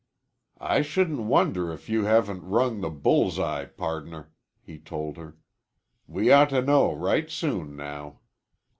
"I shouldn't wonder if you haven't rung the bull's eye, pardner," he told her. "We ought to know right soon now."